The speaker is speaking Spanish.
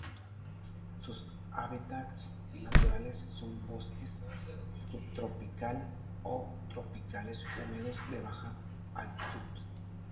Sus hábitats naturales son bosques subtropical o tropicales húmedos, de baja altitud.